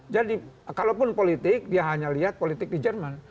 jadi kalaupun politik dia hanya lihat politik di jerman